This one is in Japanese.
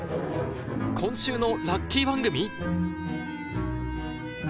今週のラッキー番組？